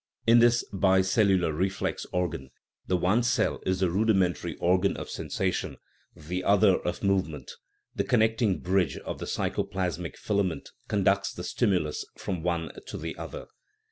In this bicellular reflex organ the one cell is the rudimentary organ of sensation, the other of movement; the connecting bridge of the psycho plasmic filament conducts the stimulus from one to the other.